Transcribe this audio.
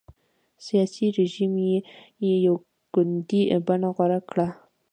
سیاسي رژیم یې یو ګوندي بڼه غوره کړه.